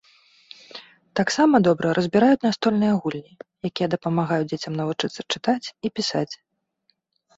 Таксама добра разбіраюць настольныя гульні, якія дапамагаюць дзецям навучыцца чытаць і пісаць.